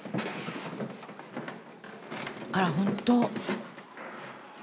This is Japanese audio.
あら本当。